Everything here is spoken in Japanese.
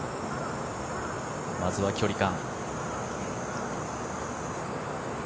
まずは距離感。